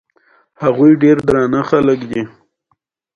هغه په عمودي ډول کیږدئ.